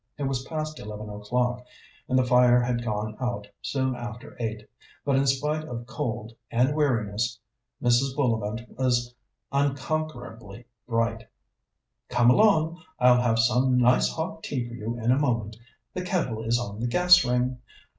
It was past eleven o'clock, and the fire had gone out soon after eight; but in spite of cold and weariness, Mrs. Bullivant was unconquerably bright. "Come along; I'll have some nice hot tea for you in a moment. The kettle is on the gas ring.